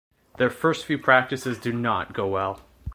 Their first few practices do not go well.